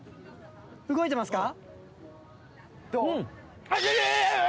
動いてますか？